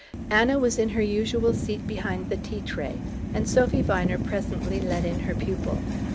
Anna was in her usual seat behind the tea tray, and Sophy Viner presently led in her pupil.